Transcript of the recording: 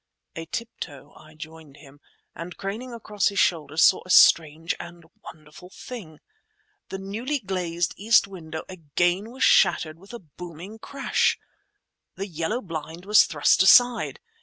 A tiptoe, I joined him, and craning across his shoulder saw a strange and wonderful thing. The newly glazed east window again was shattered with a booming crash! The yellow blind was thrust aside.